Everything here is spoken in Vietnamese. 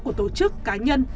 của tổ chức cá nhân